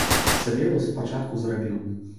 Сабе вось спачатку зрабіў.